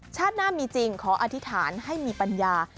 ชาติหน้ามีจริงขออธิษฐานให้มีปัญญา